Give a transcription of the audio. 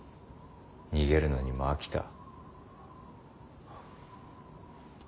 逃げるのにも飽きた。